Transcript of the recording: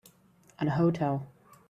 An hotel